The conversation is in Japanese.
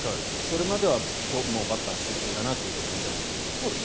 それまではバッター集中ということみたいですが。